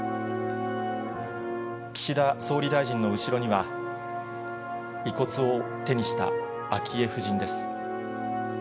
岸田総理大臣の後ろには、遺骨を手にした昭恵夫人です。